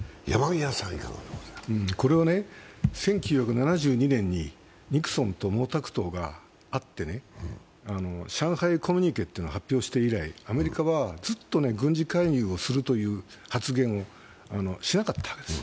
これはね、１９７２年にニクソンと毛沢東が会って上海コミュニケというのを発表して以来、アメリカはずっと軍事介入をするという発言をしなかったわけです。